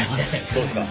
どうですか？